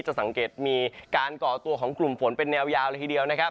จะสังเกตมีการก่อตัวของกลุ่มฝนเป็นแนวยาวเลยทีเดียวนะครับ